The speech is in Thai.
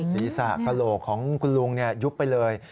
ศีรษะกระโหลกของคุณลุงยุบไปเลย